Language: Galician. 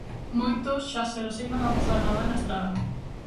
Moitos xa se resignan a pasar o Nadal na estrada.